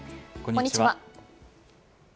こんにちは。